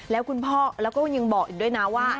แล้วคุณพ่อแล้วก็ยังบอกอีกด้วยนะว่า